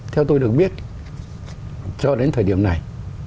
theo tôi được biết cho đến thời điểm này